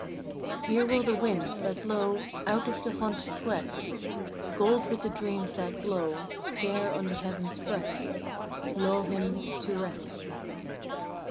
Here will the winds, that blow Out of the haunted west, Gold with the dreams that glow There on the heaven's breast, Lull him to rest.